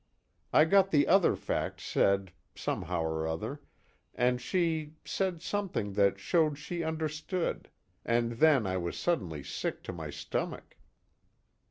I got the other facts said, somehow or other, and she said something that showed she understood, and then I was suddenly sick to my stomach."